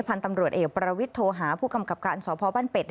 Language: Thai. พันตำรวจเอกปรวิทย์โทรหาผู้กำกับการส่วนข้อพอบ้านเป็ด